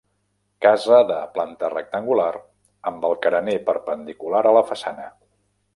Casa de planta rectangular amb el carener perpendicular a la façana.